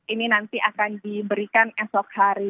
ini nanti akan diberikan esok hari